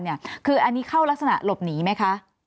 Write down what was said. คือคือค่าเข้ารักษณะหลบหนีไหม